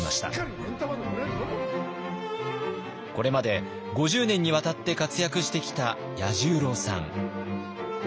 これまで５０年にわたって活躍してきた彌十郎さん。